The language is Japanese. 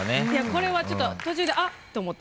これはちょっと途中であ！って思って。